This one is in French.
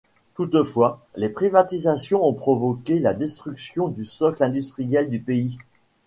Toutefois, les privatisations ont provoqué la destruction du socle industriel du pays.